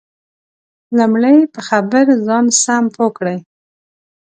لمړی په خبر ځان سم پوه کړئ